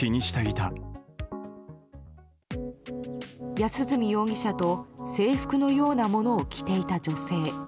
安栖容疑者と制服のようなものを着ていた女性。